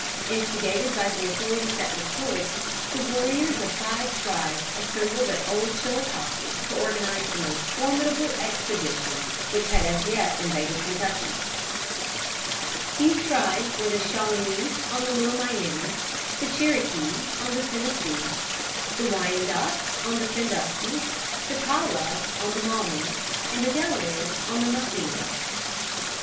Instigated by the authorities at Detroit, the warriors of five tribes assembled at Old Chilicothe to organize the most formidable expedition which had as yet invaded Kentucky. These tribes were the Shawanese on the Little Miami, the Cherokees on the Tennessee, the Wyandotts on the Sandusky, the Tawas on the Maumee, and the Delawares on the Muskingum.